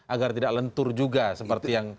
agar tidak lentur juga seperti yang